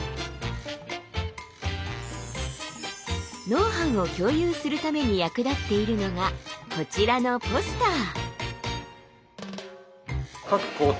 ノウハウを共有するために役立っているのがこちらのポスター。